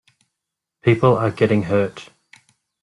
People are getting hurt.